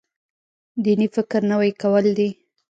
دیني فکر نوی کول دی.